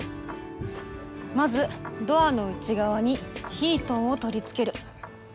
まずドアの内側にヒートンを取り付ける。